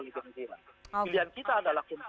pilihan kita adalah untuk